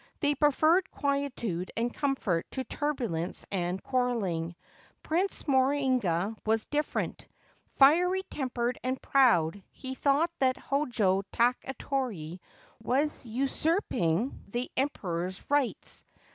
They preferred quietude and comfort to turbulence and quarrelling. Prince Morinaga was different. Fiery tempered and proud, he thought that Hojo Takatoki was usurping the Emperor's rights.